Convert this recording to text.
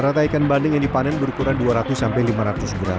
rata ikan bandeng yang dipanen berukuran dua ratus sampai lima ratus gram